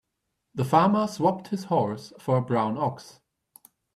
The farmer swapped his horse for a brown ox.